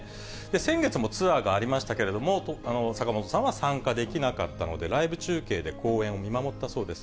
先月もツアーがありましたけれども、坂本さんは参加できなかったので、ライブ中継で公演を見守ったそうです。